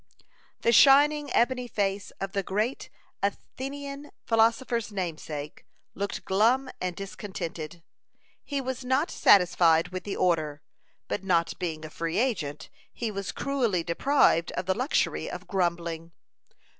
The shining ebony face of the great Athenian philosopher's namesake looked glum and discontented. He was not satisfied with the order; but not being a free agent, he was cruelly deprived of the luxury of grumbling.